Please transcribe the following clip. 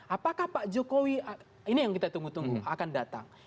apakah pak jokowi ini yang kita tunggu tunggu akan datang